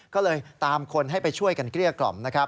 ก็เลยตามคนให้ไปช่วยกันเกลี้ยกล่อมนะครับ